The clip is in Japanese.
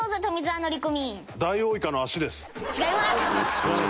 違います？